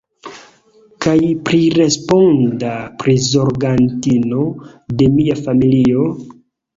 Kaj priresponda prizorgantino de mia familio?